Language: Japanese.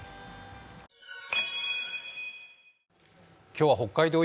今日は北海道